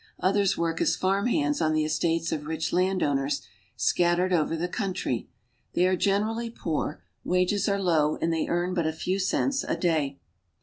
Others work as farm hands on the Jiestates of rich landowners, scattered over the country, "hey are generally poor; wages are low, and they earn t a few cents a day.